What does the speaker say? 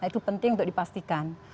itu penting untuk dipastikan